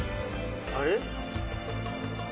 あれ？